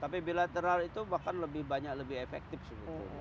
tapi bilateral itu bahkan lebih banyak lebih efektif sebetulnya